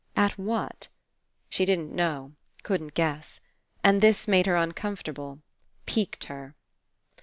At what? She didn't know, couldn't guess. And this made her un comfortable. Piqued her.